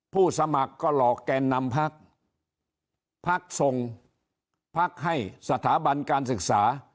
ผู้สมัครก็หลอกแกนนำภักดิ์ภักดิ์ทรงภักดิ์ให้สถาบันการศึกษา